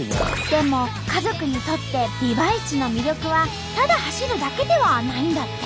でも家族にとってビワイチの魅力はただ走るだけではないんだって。